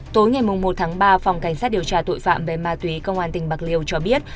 tối ngày một tháng ba phòng cảnh sát điều tra tội phạm về ma túy công an tỉnh bạc liêu cho biết